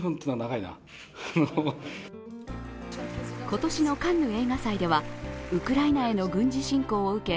今年のカンヌ映画祭ではウクライナへの軍事侵攻を受け